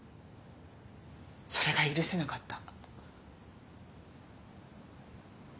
それが許せなかった。